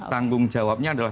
tanggung jawabnya adalah